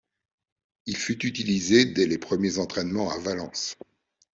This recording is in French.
Il fut utilisé dès les premiers entraînements à Valence.